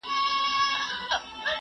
زه پرون کاغذ ترتيب کوم!؟